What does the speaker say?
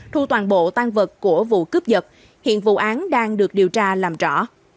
thu toàn bộ tan vật của vụ cướp giật hiện vụ án đang được điều tra làm rõ